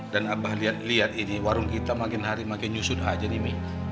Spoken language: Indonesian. dan abang lihat lihat ini warung kita makin hari makin nyusut aja nih mi